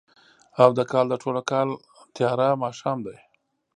او د کال، د ټوله کال تیاره ماښام دی